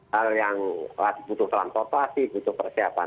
hal yang butuh transportasi butuh persen